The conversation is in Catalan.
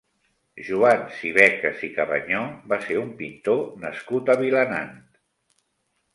Joan Sibecas i Cabanyó va ser un pintor nascut a Vilanant.